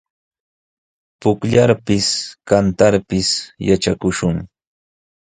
Pukllarpis, kantarpis yatrakushun.